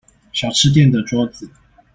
小吃店的桌子